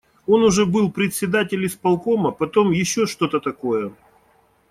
Он уже был председатель исполкома, потом ещё что-то такое.